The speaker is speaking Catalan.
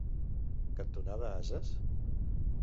cantonada Ases?